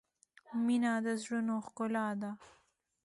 • مینه د زړونو ښکلا ده.